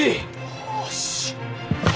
よし。